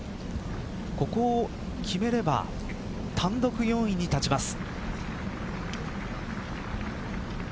ここを決めれば単独４位に立ちます。